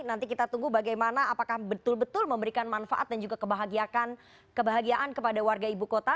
nanti kita tunggu bagaimana apakah betul betul memberikan manfaat dan juga kebahagiaan kepada warga ibu kota